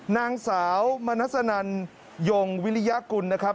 นางสาวมณสนันยงวิริยากุลนะครับ